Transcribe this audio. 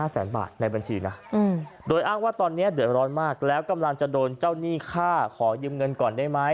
แสนบาทในบัญชีนะโดยอ้างว่าตอนนี้เดือดร้อนมากแล้วกำลังจะโดนเจ้าหนี้ฆ่าขอยืมเงินก่อนได้ไหม